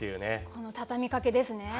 この畳みかけですね。